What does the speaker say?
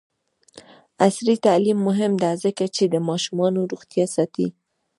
عصري تعلیم مهم دی ځکه چې د ماشومانو روغتیا ساتي.